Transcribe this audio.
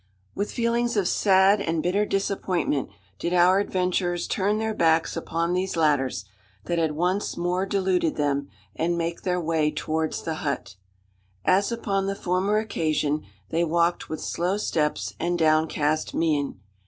With feelings of sad and bitter disappointment did our adventurers turn their backs upon these ladders that had once more deluded them and make their way towards the hut. As upon the former occasion, they walked with slow steps and downcast mien.